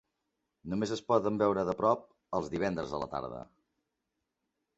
Només es poden veure de prop els divendres a la tarda.